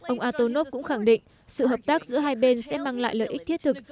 ông atonov cũng khẳng định sự hợp tác giữa hai bên sẽ mang lại lợi ích thiết thực